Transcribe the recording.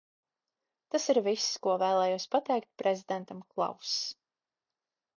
Tas ir viss, ko vēlējos pateikt prezidentam Klaus.